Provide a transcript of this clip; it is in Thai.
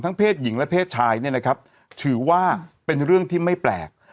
เพศหญิงและเพศชายเนี่ยนะครับถือว่าเป็นเรื่องที่ไม่แปลก